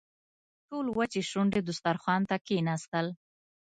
ټول وچې شونډې دسترخوان ته کښېناستل.